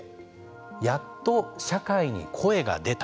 やっと社会に声が出た。